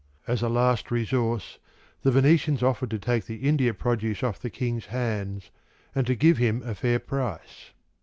As a last resource, the Venetians offered to take the India produce off the king's hands, and to give him a fair price.